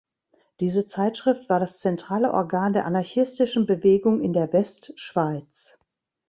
Diese Zeitschrift war das zentrale Organ der anarchistischen Bewegung in der Westschweiz.